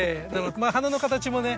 花の形もね